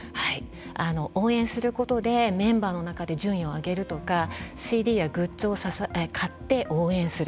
応援することでメンバーの中で順位を上げるとかＣＤやグッズを買って応援する